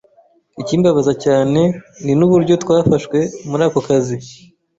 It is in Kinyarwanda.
Ikimbabaza cyane ni n'uburyo twafashwe muri ako kazi